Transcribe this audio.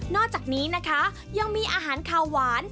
อกจากนี้นะคะยังมีอาหารขาวหวาน